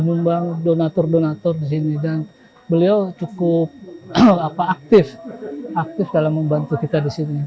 dan membangun donator donator di sini dan beliau cukup aktif dalam membantu kita di sini